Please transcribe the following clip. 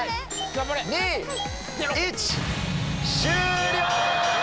終了！